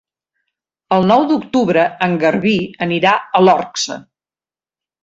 El nou d'octubre en Garbí anirà a l'Orxa.